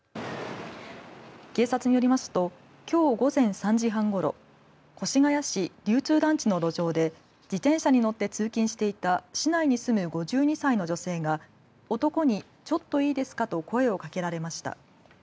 警察によりますときょう午前３時半ごろ越谷市流通団地の路上で自転車に乗って通勤していた市内に住む５２歳の女性が男にちょっといいですかと声をかけられました。